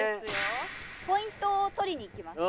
ポイントを取りにいきます。